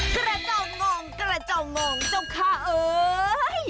กระเจ้างองกระเจ้างองเจ้าค่าเอ้ย